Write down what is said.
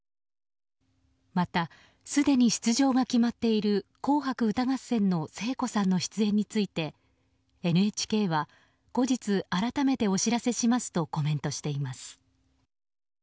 また、すでに出場が決まっている「紅白歌合戦」の聖子さんの出演についてＮＨＫは後日、改めてお知らせしますとコメントしています。